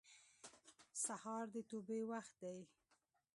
سهار د توبې وخت دی.